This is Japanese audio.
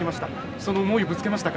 その思いをぶつけましたか？